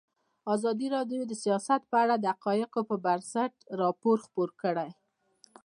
ازادي راډیو د سیاست په اړه د حقایقو پر بنسټ راپور خپور کړی.